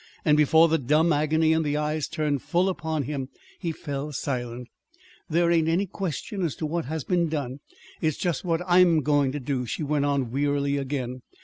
And before the dumb agony in the eyes turned full upon him, he fell silent. "There ain't any question as to what has been done; it's just what I'm going to do," she went on wearily again.